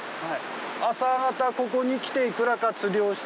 朝方ここに来ていくらか釣りをして。